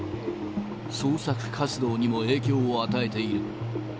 捜索活動にも影響を与えている。